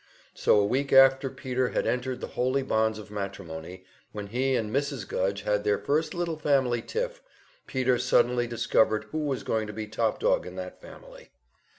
So a week after Peter had entered the holy bonds of matrimony, when he and Mrs. Gudge had their first little family tiff, Peter suddenly discovered who was going to be top dog in that family.